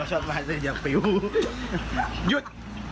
ทอชอตใบได้แล้วก็อกหยุด